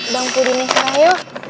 bang pudin teng saraheyo